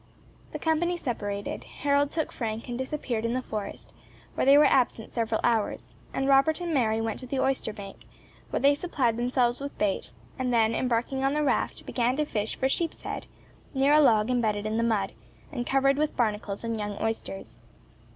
The company separated; Harold took Frank and disappeared in the forest, where they were absent several hours, and Robert and Mary went to the oyster bank, where they supplied themselves with bait, and then embarking on the raft, began to fish for sheepshead, near a log imbedded in the mud, and covered with barnacles and young oysters.